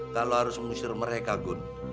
kalau harus mengusir mereka gun